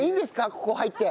ここ入って。